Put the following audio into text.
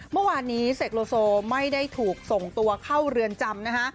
เมื่อวานนี้เสกโลโซไม่ได้ถูกส่งตัวเข้าเรือนจำนะฮะ